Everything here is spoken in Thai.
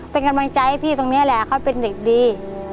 เป็นกำลังใจให้พี่ตรงนี้แหละเขาเป็นเด็กดี